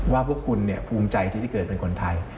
ว่าพวกคุณภูมิใจที่จะเกิดเป็นคนไทย